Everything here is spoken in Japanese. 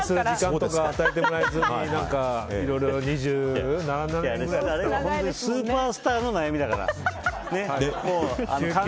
本当にあれはスーパースターの悩みだから。